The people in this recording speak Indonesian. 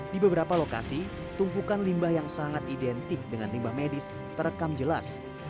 di beberapa lokasi tumpukan limbah yang sangat identik dengan limbah medis terekam jelas